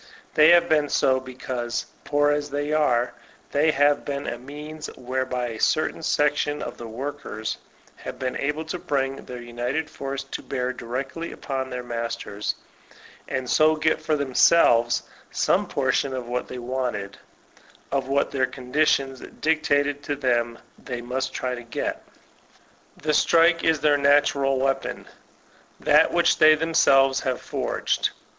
They have been so because, poor as they are, inefiicient as they are, they have been a means whereby a certain section of the workers have been able to bring their united force to bear directly upon their masters, and so get for themselves some portion of what they wanted,— of what their conditions dictated to them they must try to get. The strike is their natural weapon, that which they them selves forged.